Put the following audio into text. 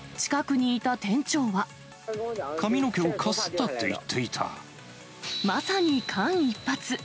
髪の毛をかすったって言ってまさに間一髪。